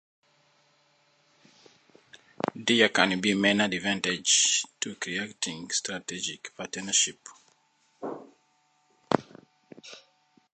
There can be many advantages to creating strategic partnerships.